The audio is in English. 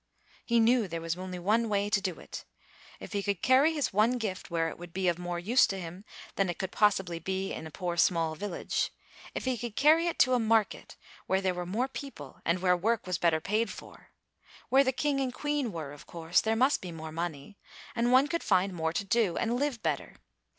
He knew there was only one way to do it: if he could carry his one gift where it would be of more use to him than it could possibly be in a poor small village; if he could carry it to a market where there were more people and where work was better paid for. Where the king and queen were, of course, there must be more money, and one could find more to do and live better.